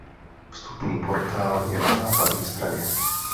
Vstupní portál je na západní straně.